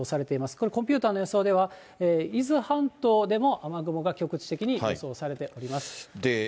これ、コンピューターの予想では、伊豆半島でも雨雲が局地的に予想されております。